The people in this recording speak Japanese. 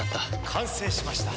完成しました。